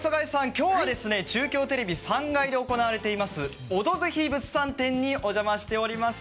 きょうはですね中京テレビ３階で行われています「オドぜひ」物産展にお邪魔しております。